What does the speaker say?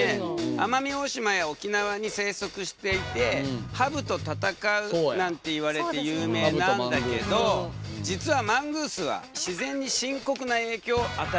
奄美大島や沖縄に生息していてハブと戦うなんていわれて有名なんだけど実はマングースは自然に深刻な影響を与えているんだよね。